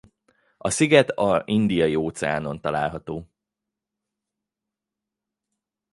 A sziget a Indiai-óceánon található.